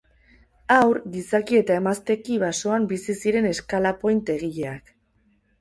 Haur, gizaki eta emazteki, basoan bizi ziren eskalapoin-egileak.